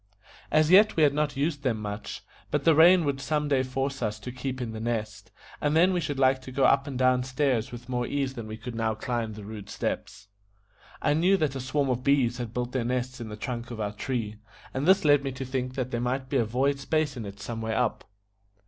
As yet we had not used them much, but the rain would some day force us to keep in The Nest, and then we should like to go up and down stairs with more ease than we could now climb the rude steps. I knew that a swarm of bees had built their nest in the trunk of our tree, and this led me to think that there might be a void space in it some way up.